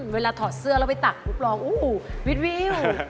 ถอดเสื้อแล้วไปตักปุ๊บลองโอ้โหวิดวิว